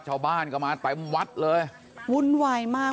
ชาวบ้านก็มาเต็มวัดเลยวุ่นวายมาก